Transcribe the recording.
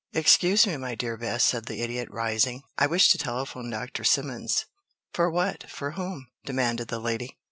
"Excuse me, my dear Bess," said the Idiot, rising. "I wish to telephone Dr. Simmons." "For what for whom?" demanded the lady.